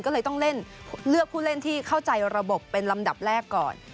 ก็เลยต้องเล่นเลือกผู้เล่นที่เข้าใจระบบเป็นลำดับแรกก่อน